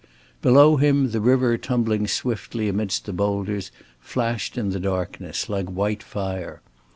Below him the river tumbling swiftly amidst the boulders flashed in the darkness like white fire.